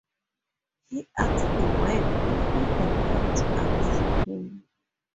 He asked Webb if he had come to arrest him.